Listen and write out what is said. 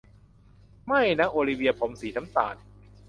ไม่นะ โอลิเวียผมสีน้ำตาล